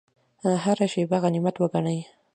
هره شیبه غنیمت وګڼئ